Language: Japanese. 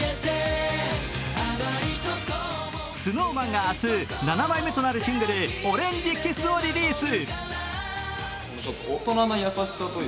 ＳｎｏｗＭａｎが明日、７枚目のシングルとなる「オレンジｋｉｓｓ」をリリース。